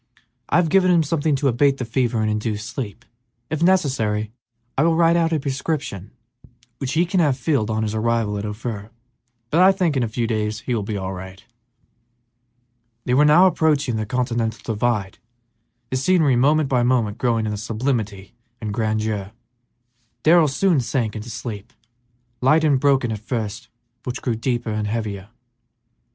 I have given him something to abate the fever and induce sleep. If necessary, I will write out a prescription which he can have filled on his arrival at Ophir, but I think in a few days he will be all right." They were now approaching the continental divide, the scenery moment by moment growing in sublimity and grandeur. Darrell soon sank into a sleep, light and broken at first, but which grew deeper and heavier.